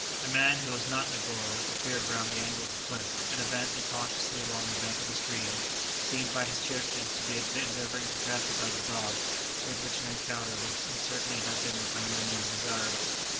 A man, who was not Negoro, appeared round the angle of the cliff, and advancing cautiously along the bank of the stream, seemed by his gestures to be endeavouring to pacify the dog, with which an encounter would certainly have been by no means desirable.